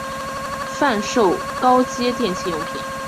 贩售高阶电器用品